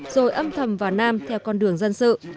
rồi âm thầm vào nam theo con đường dân sự